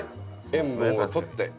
塩分をとって。